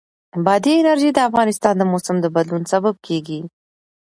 بادي انرژي د افغانستان د موسم د بدلون سبب کېږي.